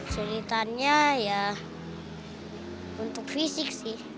sulitannya ya untuk fisik